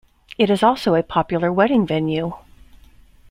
It is also a popular wedding venue.